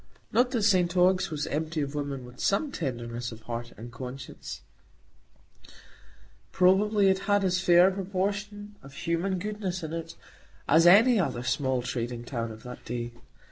Not that St Ogg's was empty of women with some tenderness of heart and conscience; probably it had as fair a proportion of human goodness in it as any other small trading town of that day.